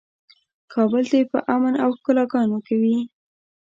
کابل دې په امن او ښکلاګانو کې وي.